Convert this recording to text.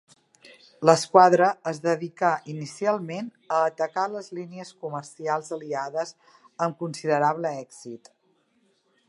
L'esquadra es dedicà inicialment a atacar les línies comercials aliades amb considerable èxit.